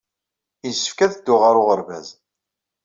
Yessefk ad dduɣ ɣer uɣerbaz.